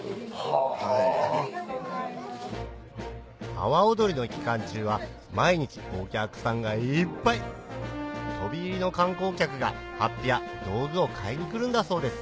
阿波おどりの期間中は毎日お客さんがいっぱい飛び入りの観光客が法被や道具を買いにくるんだそうです